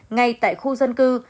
ngay tại khu dân cư